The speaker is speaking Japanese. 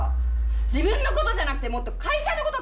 自分のことじゃなくてもっと会社のこと考えてよ！